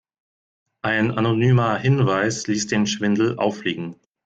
Ein anonymer Hinweis ließ den Schwindel auffliegen.